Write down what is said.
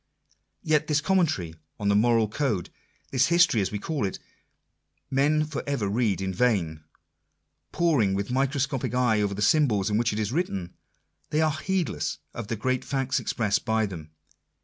Yet this commentary on the moral code — this History as we call it — men for ever read in vain ! Poring with micro scopic eye over the symbols in which it is written, they are heedless of the great facts expressed by them.